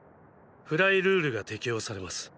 フライルールが適用されます。